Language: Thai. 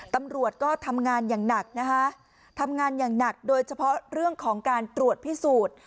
ตำรวจก็ทำงานอย่างหนักนะคะทำงานอย่างหนักโดยเฉพาะเรื่องของการตรวจพิสูจน์